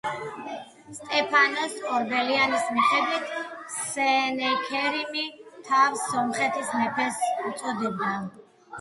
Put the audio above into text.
სტეფანოს ორბელიანის მიხედვით სენექერიმი თავს სომხეთის მეფეს უწოდებდა.